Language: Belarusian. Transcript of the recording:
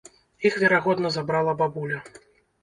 Іх верагодна забрала бабуля.